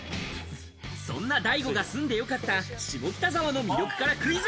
そんなＤＡＩＧＯが住んで良かった下北沢の魅力からクイズ。